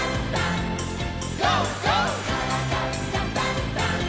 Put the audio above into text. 「からだダンダンダン」